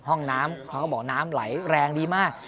ห้องน้ำเขาก็บอกน้ำไหลแรงดีมาก